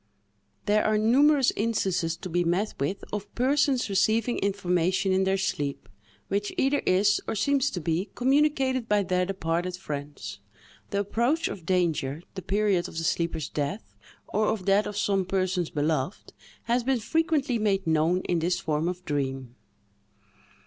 _" There are numerous instances to be met with of persons receiving information in their sleep, which either is, or seems to be, communicated by their departed friends. The approach of danger, the period of the sleeper's death, or of that of some persons beloved, has been frequently made known in this form of dream.